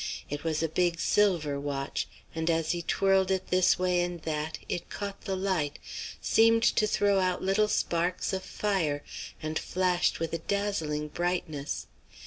It was a big silver watch, and as he twirled it this way and that, it caught the light, seemed to throw out little sparks of fire, and flashed with a dazzling brightness.